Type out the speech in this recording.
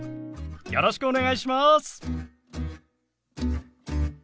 よろしくお願いします！